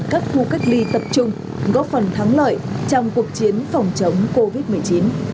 các khu cách ly tập trung góp phần thắng lợi trong cuộc chiến phòng chống covid một mươi chín